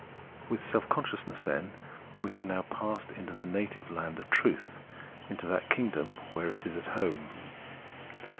With self consciousness, then, we have now passed into the native land of truth, into that kingdom where it is at home.